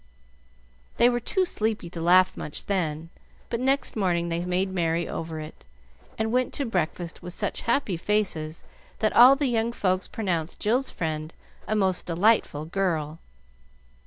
They were too sleepy to laugh much then, but next morning they made merry over it, and went to breakfast with such happy faces that all the young folks pronounced Jill's friend a most delightful girl.